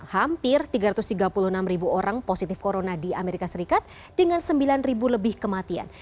hampir tiga ratus tiga puluh enam ribu orang positif corona di amerika serikat dengan sembilan lebih kematian